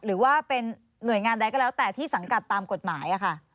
หรือว่าเป็นหน่วยงานใดก็แล้วแต่ที่สังกัดตามกฎหมายค่ะ